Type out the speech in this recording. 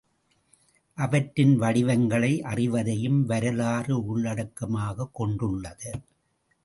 அவற்றின் வடிவங்களை அறிவதையும் வரலாறு உள்ளடக்கமாகக் கொண்டுள்ளது.